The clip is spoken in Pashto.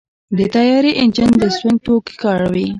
د طیارې انجن د سونګ توکي کاروي.